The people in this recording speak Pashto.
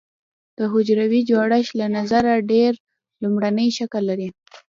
د حجروي جوړښت له نظره ډېر لومړنی شکل لري.